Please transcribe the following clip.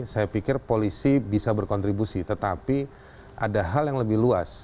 saya pikir polisi bisa berkontribusi tetapi ada hal yang lebih luas